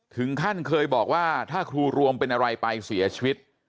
ถึงขั้นเคยบอกว่าถ้าครูรวมเป็นอะไรไปเสียชีวิต